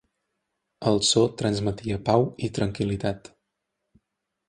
El so transmetia pau i tranquil·litat.